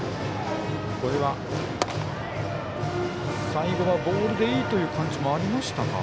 最後はボールでいいという感じもありましたか？